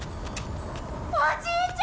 おじいちゃん！